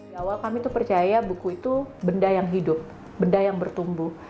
di awal kami itu percaya buku itu benda yang hidup benda yang bertumbuh